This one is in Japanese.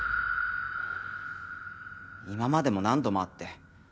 今までも何度もあって。